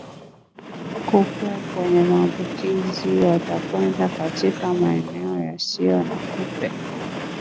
Kupe wenye maambukizi watakwenda katika maeneo yasiyo na kupe